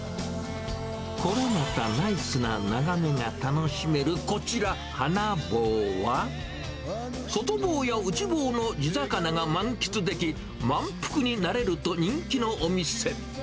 これまたナイスな眺めが楽しめるこちら、はな房は、外房や内房の地魚が満喫でき、満腹になれると人気のお店。